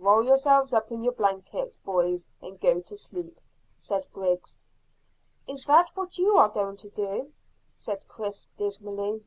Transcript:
"Roll yourselves up in your blankets, boys, and go to sleep," said Griggs. "Is that what you are going to do?" said Chris dismally.